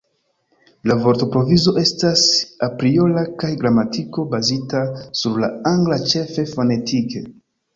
La vortprovizo estas apriora kaj gramatiko bazita sur la angla, ĉefe fonetike.